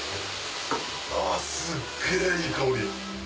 あすっげぇいい香り。